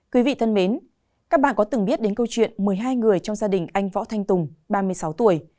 quý vị thân mến các bạn có từng biết đến câu chuyện một mươi hai người trong gia đình anh võ thanh tùng ba mươi sáu tuổi